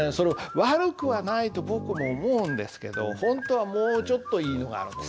悪くはないと僕も思うんですけど本当はもうちょっといいのがあるんです。